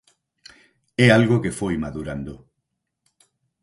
É algo que foi madurando.